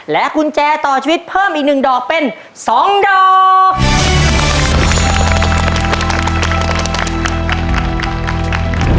กุญแจต่อชีวิตเพิ่มอีก๑ดอกเป็น๒ดอก